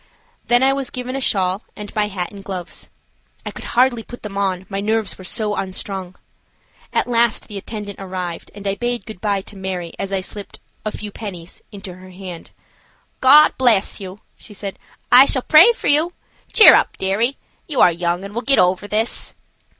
Then I was given a shawl and my hat and gloves. I could hardly put them on, my nerves were so unstrung. At last the attendant arrived, and I bade good bye to Mary as I slipped "a few pennies" into her hand. "God bless you," she said; "I shall pray for you. Cheer up, dearie. You are young, and will get over this."